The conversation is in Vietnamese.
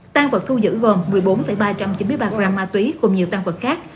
tăng vật thu giữ gồm một mươi bốn ba trăm chín mươi ba gram ma túy cùng nhiều tăng vật khác